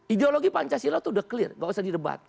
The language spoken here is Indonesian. ideologi pancasila itu udah clear gak usah didebat